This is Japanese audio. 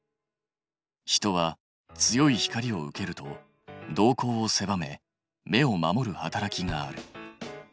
人は強い光を受けると瞳孔をせばめ目を守る働きがある。